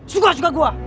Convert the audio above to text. suka juga gua